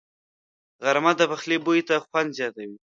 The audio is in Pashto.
غرمه د پخلي بوی ته خوند زیاتوي